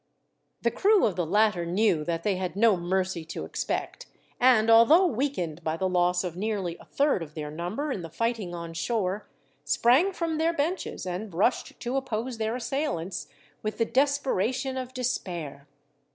The crew of the latter knew that they had no mercy to expect, and although weakened by the loss of nearly a third of their number in the fighting on shore, sprang from their benches, and rushed to oppose their assailants, with the desperation of despair.